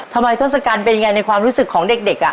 ทศกัณฐ์เป็นยังไงในความรู้สึกของเด็ก